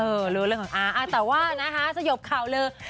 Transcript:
รู้เรื่องของอาแต่ว่านะคะสยบข่าวลือ